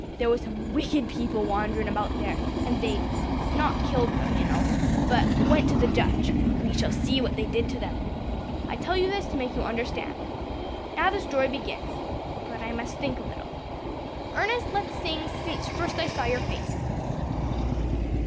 There were some wicked people wanderin' about there, and they not killed them, you know, but went to the judge. We shall see what they did to them. I tell you this to make you understand. Now the story begins but I must think a little. Ernest, let's sing 'Since first I saw your face.'